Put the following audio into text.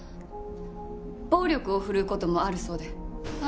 暴力を振るう事もあるそうで。